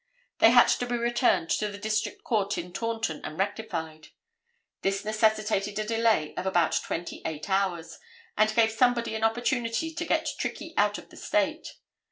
They had to be returned to the District Court in Taunton and rectified. This necessitated a delay of about twenty eight hours, and gave somebody an opportunity to get Trickey out of the State.